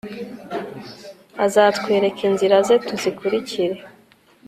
azatwereka inzira ze, tuzikurikire